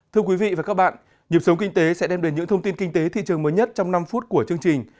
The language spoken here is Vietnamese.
thưa quý vị và các bạn nhịp sống kinh tế sẽ đem đến những thông tin kinh tế thị trường mới nhất trong năm phút của chương trình